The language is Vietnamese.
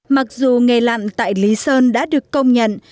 mặc dù nghề lặn tại lý sơn đã được công nhận